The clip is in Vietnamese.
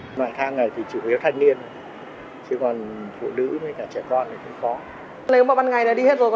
ngoại thang này thì chủ yếu thanh niên chứ còn phụ nữ hay cả trẻ con thì cũng có